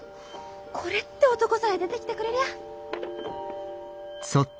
コレって男さえ出てきてくれりゃ。